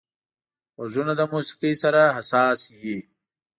غوږونه له موسيقي سره حساس وي